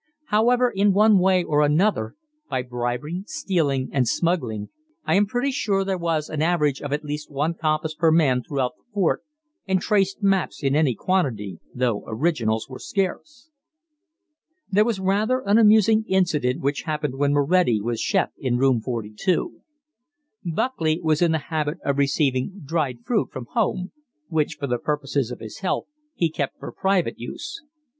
However, in one way or another, by bribery, stealing, and smuggling, I am pretty sure there was an average of at least one compass per man throughout the fort, and traced maps in any quantity, though originals were scarce. There was rather an amusing incident which happened when Moretti was chef in Room 42. Buckley was in the habit of receiving dried fruit from home, which, for purposes of his health, he kept for private use.